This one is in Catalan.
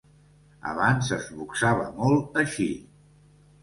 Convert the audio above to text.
Abans es boxava molt així.